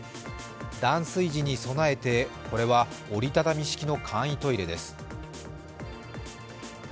断水時に備えて、これは折り畳み式の簡易トイレです。